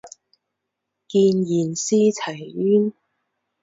见贤思齐焉